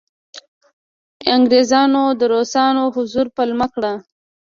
انګریزانو د روسانو حضور پلمه کړ.